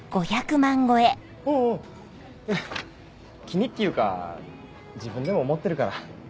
気にっていうか自分でも思ってるから。